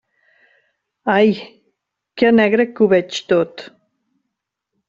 Ai, que negre que ho veig tot!